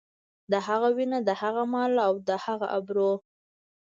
د هغه وينه، د هغه مال او د هغه ابرو.